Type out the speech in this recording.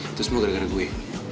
itu semua gara gara gue